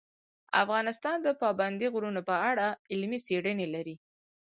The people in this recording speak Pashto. افغانستان د پابندی غرونه په اړه علمي څېړنې لري.